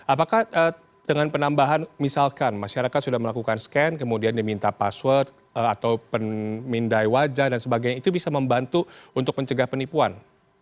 apakah dengan penambahan misalkan masyarakat sudah melakukan scan kemudian diminta password atau pemindai wajah dan sebagainya itu bisa membantu untuk mencegah penipuan